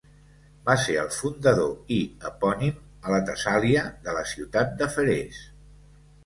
Va ser el fundador i epònim, a la Tessàlia de la ciutat de Feres.